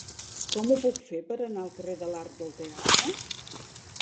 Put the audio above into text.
Com ho puc fer per anar al carrer de l'Arc del Teatre?